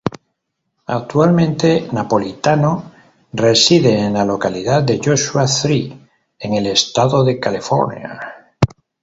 Actualmente, Napolitano reside en la localidad de Joshua Tree, en el estado de California.